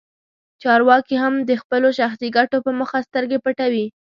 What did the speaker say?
چارواکي هم د خپلو شخصي ګټو په موخه سترګې پټوي.